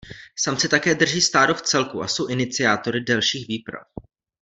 Samci také drží stádo v celku a jsou iniciátory delších výprav.